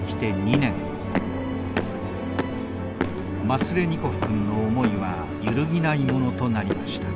マスレニコフ君の思いは揺るぎないものとなりました。